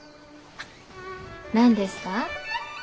何ですか？